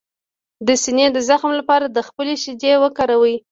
د سینې د زخم لپاره د خپلې شیدې وکاروئ